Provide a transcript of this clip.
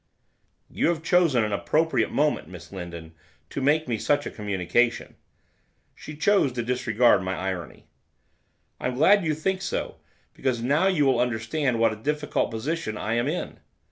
'You have chosen an appropriate moment, Miss Lindon, to make to me such a communication.' She chose to disregard my irony. 'I am glad you think so, because now you will understand what a difficult position I am in.